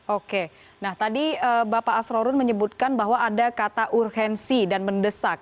oke nah tadi bapak asrorun menyebutkan bahwa ada kata urgensi dan mendesak